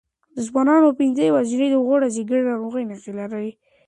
د ځوانانو پنځه یوازینۍ د غوړ ځیګر ناروغۍ نښې لري.